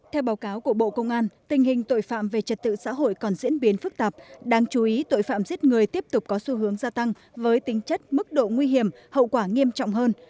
theo báo cáo của bộ công an tình hình tội phạm về trật tự xã hội còn diễn biến phức tạp đáng chú ý tội phạm giết người tiếp tục có xu hướng gia tăng với tính chất mức độ nguy hiểm hậu quả nghiêm trọng hơn